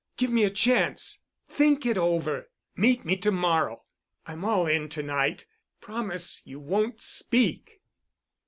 Give me a chance. Think it over. Meet me to morrow. I'm all in to night. Promise you won't speak."